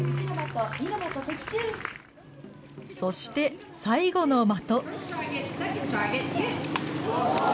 そして最後の的。